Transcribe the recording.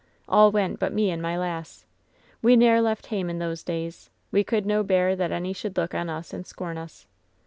All went but me and my lass. We ne'er left hame in those days. We could no bear that any should look on us and scorn us.